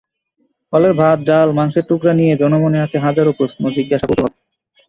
হলের ভাত, ডাল, মাংসের টুকরা নিয়ে জনমনে আছে হাজারো প্রশ্ন, জিজ্ঞাসা, কৌতূহল।